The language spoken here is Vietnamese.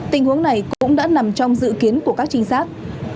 tình huống này cũng đã nằm trong dự kiến của các trinh sát